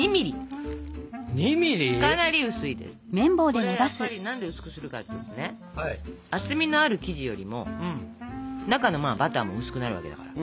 これやっぱり何で薄くするかっていうとね厚みのある生地よりも中のバターも薄くなるわけだから。